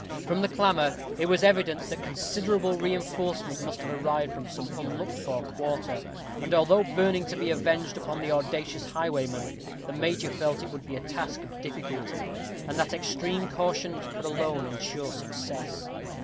From the clamor, it was evident that considerable reinforcement must have arrived from some unlooked for quarter; and, although burning to be avenged upon the audacious highwayman, the major felt it would be a task of difficulty, and that extreme caution could alone ensure success.